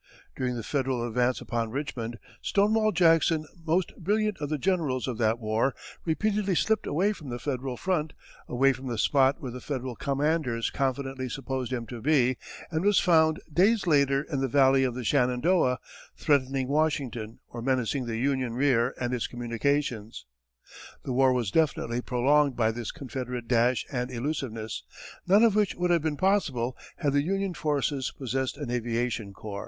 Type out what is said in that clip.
During the Federal advance upon Richmond, Stonewall Jackson, most brilliant of the generals of that war, repeatedly slipped away from the Federal front, away from the spot where the Federal commanders confidently supposed him to be, and was found days later in the Valley of the Shenandoah, threatening Washington or menacing the Union rear and its communications. The war was definitely prolonged by this Confederate dash and elusiveness none of which would have been possible had the Union forces possessed an aviation corps.